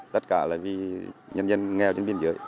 tất cả là vì nhân dân nghèo trên biên giới